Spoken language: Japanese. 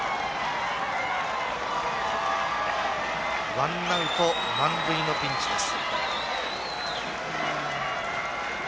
１アウト満塁のピンチです。